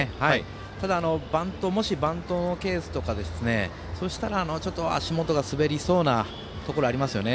ただ、もしバントのケースとかそしたら、足元が滑りそうなところがありますよね。